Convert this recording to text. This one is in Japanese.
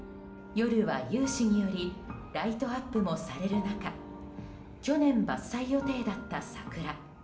夜は、有志によりライトアップもされる中去年、伐採予定だった桜。